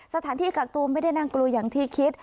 สถานที่กักตัวไม่ได้น่ากลัวอย่างที่คิด